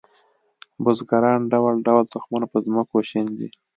بزګران ډول ډول تخمونه په ځمکو شیندي